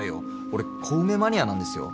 俺小梅マニアなんですよ。